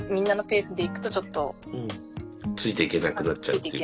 ついていけなくなっちゃうっていうか。